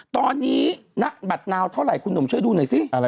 ตอนนี้ณบัตรนาวเท่าไหร่คุณหนุ่มช่วยดูหน่อยสิ